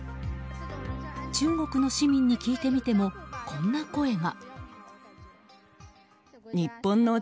中国の市民に聞いてみてもこんな声が。